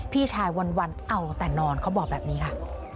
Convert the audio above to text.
พี่ชายวันเอาแต่นอนเขาบอกแบบนี้ค่ะ